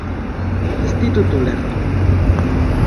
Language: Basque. Ez dizut ulertu